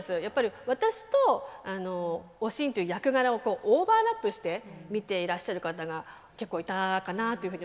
やっぱり私とおしんという役柄をオーバーラップして見ていらっしゃる方が結構いたかなっていうふうに思いますね。